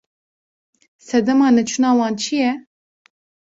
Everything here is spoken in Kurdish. Sedema neçûna wan çi ye?